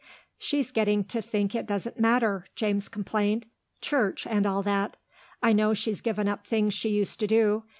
"She's getting to think it doesn't matter," James complained; "Church, and all that. I know she's given up things she used to do.